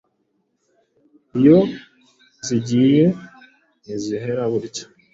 Iyo zigiye ntizihera burya